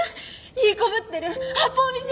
いい子ぶってる八方美人！